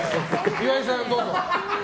岩井さん、どうぞ。